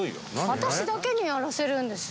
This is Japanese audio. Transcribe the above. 私だけにやらせるんですよ。